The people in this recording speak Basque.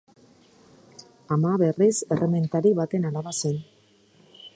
Ama, berriz, errementari baten alaba zen.